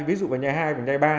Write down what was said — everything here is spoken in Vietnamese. ví dụ là nhà hai và nhà ba